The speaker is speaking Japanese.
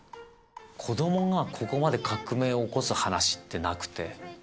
子供がここまで革命を起こす話ってなくて。